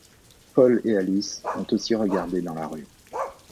Paul et Alice ont aussi regardé dans la rue.